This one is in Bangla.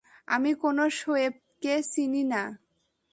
আমি কোন শোয়েব কে চিনি নাহ।